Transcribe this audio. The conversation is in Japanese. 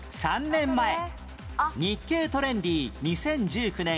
３年前『日経トレンディ』２０１９年ヒット商品